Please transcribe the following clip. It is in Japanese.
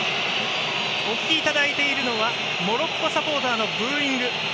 お聞きいただいているのはモロッコサポーターのブーイング。